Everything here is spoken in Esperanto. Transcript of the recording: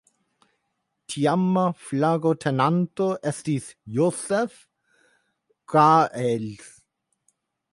Teama flagotenanto estis "Josep Graells".